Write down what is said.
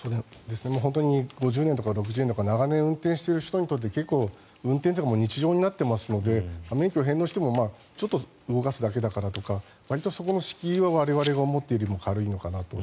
本当に５０年とか６０年とか長年運転している人にとって結構、運転というのは日常になっていますので免許を返納してもちょっと動かすだけだからとかわりとそこの敷居は我々が思っているよりも軽いのかなと。